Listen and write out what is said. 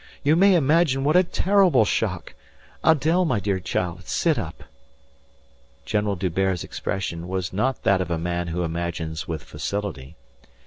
You may imagine what a terrible shock.... Adèle, my dear child, sit up." General D'Hubert's expression was not that of a man who imagines with facility.